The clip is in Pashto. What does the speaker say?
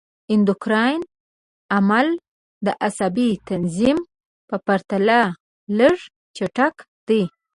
د اندوکراین عمل د عصبي تنظیم په پرتله لږ چټک دی.